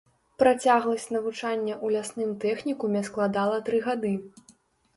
Працягласць навучання ў лясным тэхнікуме складала тры гады.